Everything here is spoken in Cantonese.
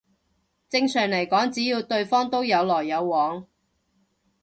正常嚟講只要對方都有來有往